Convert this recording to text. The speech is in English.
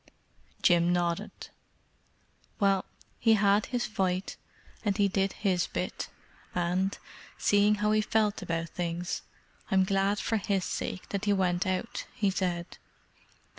Jim nodded. "Well, he had his fight, and he did his bit, and, seeing how he felt about things, I'm glad for his sake that he went out," he said.